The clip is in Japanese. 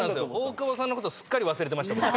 大久保さんのことすっかり忘れてました。